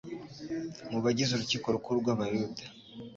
mu bagize Urukiko Rukuru rw’Abayuda,